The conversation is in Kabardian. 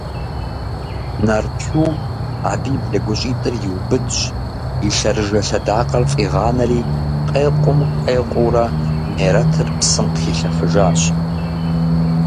Нарчу абы и блэгущӀитӀыр иубыдщ, и лъэрыжэ лъэдакъэр фӀигъанэри къекъум къекъуурэ Мерэтыр псым къыхилъэфыжащ.